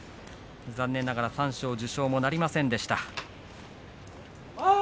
残念ながら三賞受賞なりませんでした。